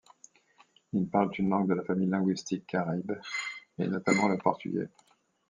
Ils parlent une langue de la famille linguistique caribe, et notamment le portugais.